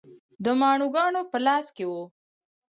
د ماڼوګانو په لاس کې و.